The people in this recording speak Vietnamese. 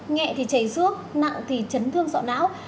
nhẹ thì chảy rước nặng thì chấn thương sọ não